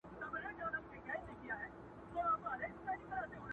هر کور کي لږ غم شته،